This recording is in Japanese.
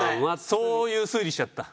そういう推理しちゃった。